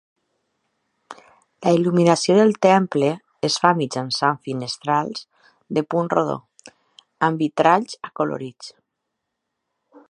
La il·luminació del temple es fa mitjançant finestrals de punt rodó, amb vitralls acolorits.